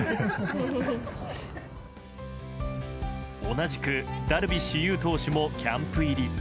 同じく、ダルビッシュ有投手もキャンプ入り。